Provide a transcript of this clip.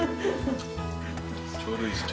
ちょうどいいですね。